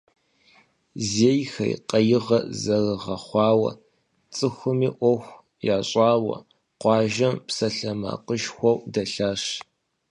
Зейхэри къайгъэ зэрыгъэхъуауэ, цӏыхуми ӏуэху ящӏауэ къуажэм псалъэмакъышхуэу дэлъащ.